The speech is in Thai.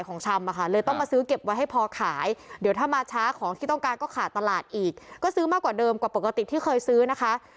คนแหกันมาเยอะแน่นอน